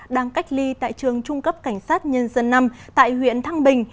đang cách ly tại trường trung cấp cảnh sát nhân dân năm tại huyện thăng bình